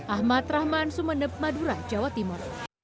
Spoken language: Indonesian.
ahmad rahman sumeneb madura jawa timur